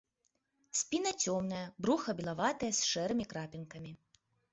Спіна цёмная, бруха белаватае з шэрымі крапінкамі.